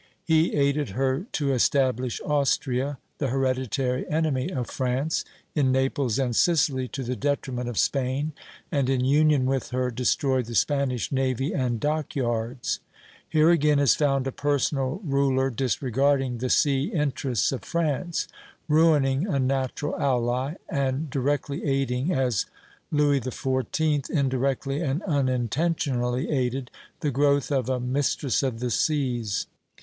He aided her to establish Austria, the hereditary enemy of France, in Naples and Sicily to the detriment of Spain, and in union with her destroyed the Spanish navy and dock yards. Here again is found a personal ruler disregarding the sea interests of France, ruining a natural ally, and directly aiding, as Louis XIV. indirectly and unintentionally aided, the growth of a mistress of the seas.